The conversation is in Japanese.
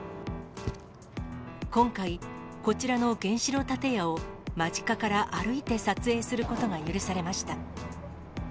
今回、こちらの原子炉建屋を、間近から歩いて撮影されることが許されました。